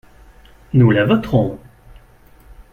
Nous la voterons.